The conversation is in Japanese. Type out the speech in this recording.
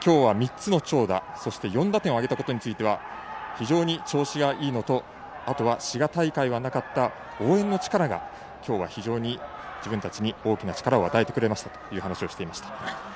きょうは３つの長打そして４打点を挙げたことについては非常に調子がいいのとあとは滋賀大会はなかった応援の力が、きょうは非常に自分たちに大きな力を与えてくれましたと話をしていました。